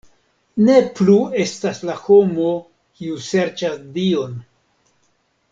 Ne plu estas la homo kiu serĉas Dion!